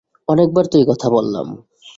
অনেকবার তো এই কথা বললাম।